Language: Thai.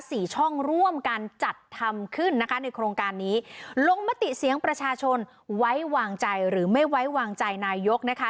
สี่ช่องร่วมกันจัดทำขึ้นนะคะในโครงการนี้ลงมติเสียงประชาชนไว้วางใจหรือไม่ไว้วางใจนายกนะคะ